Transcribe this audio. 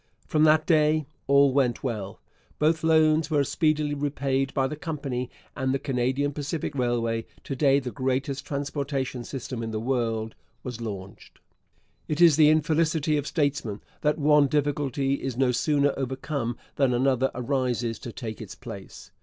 From that day all went well. Both loans were speedily repaid by the company; and the Canadian Pacific Railway, to day the greatest transportation system in the world, was launched. It is the infelicity of statesmen that one difficulty is no sooner overcome than another arises to take its place.